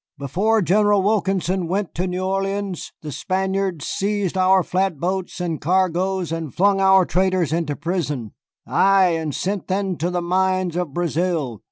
Before General Wilkinson went to New Orleans the Spaniards seized our flat boats and cargoes and flung our traders into prison, ay, and sent them to the mines of Brazil.